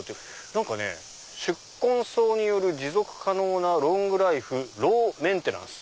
何かね「宿根草による持続可能なロングライフ・ローメンテナンス」。